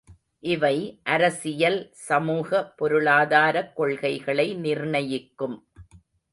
இவை அரசியல், சமூக, பொருளாதாரக் கொள்கைகளை நிர்ணயிக்கும்.